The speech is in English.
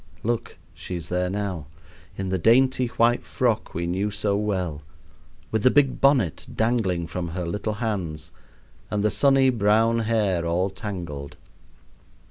Look, she is there now, in the dainty white frock we knew so well, with the big bonnet dangling from her little hands and the sunny brown hair all tangled.